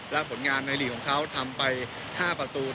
และผลงานในหลีกของเขาทำไป๕ประตู